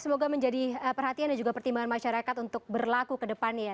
semoga menjadi perhatian dan juga pertimbangan masyarakat untuk berlaku ke depannya ya